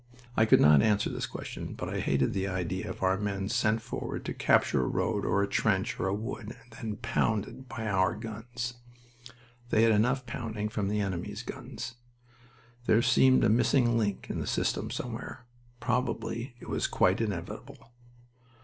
I could not answer that question, but I hated the idea of our men sent forward to capture a road or a trench or a wood and then "pounded" by our guns. They had enough pounding from the enemy's guns. There seemed a missing link in the system somewhere. Probably it was quite inevitable.